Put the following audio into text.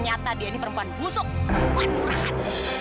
itu adalah alle semangat abang